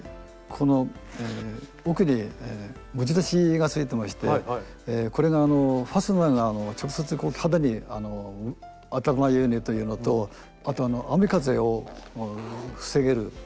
この奥に持ち出しがついてましてこれがファスナーが直接肌に当たらないようにというのとあと雨風を防げるというのがあります。